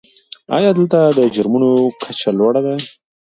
آیا دلته د جرمونو کچه لوړه ده؟